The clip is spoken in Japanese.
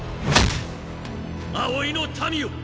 葵の民を！